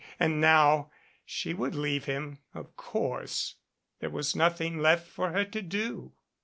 And now she would leave him, of course. There was nothing left for her to do.